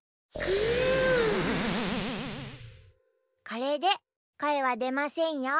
これでこえはでませんよ。